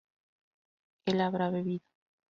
él habrá bebido